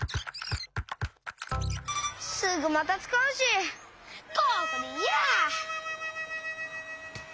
すぐまたつかうしここでいいや。